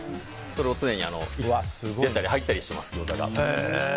それを常に出たり入ったりしていますギョーザが。